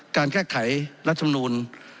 การแก้ไขรัฐธรรมนูญ